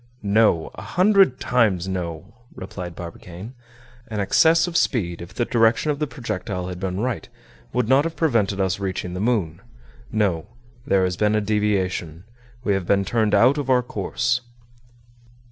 "No! a hundred times, no!" replied Barbicane. "An excess of speed, if the direction of the projectile had been right, would not have prevented us reaching the moon. No, there has been a deviation. We have been turned out of our course."